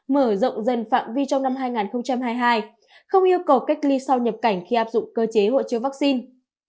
mở rộng dần phạm vi trong năm hai nghìn hai mươi hai không yêu cầu cách ly sau nhập cảnh khi áp dụng cơ chế hội chứa vaccine